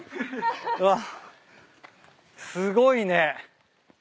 うわすごいね。